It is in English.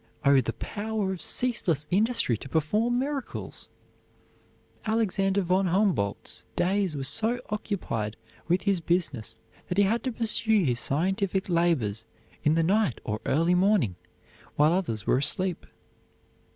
Oh, the power of ceaseless industry to perform miracles! Alexander von Humboldt's days were so occupied with his business that he had to pursue his scientific labors in the night or early morning, while others were asleep.